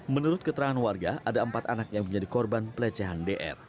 menurut keterangan warga ada empat anak yang menjadi korban pelecehan dr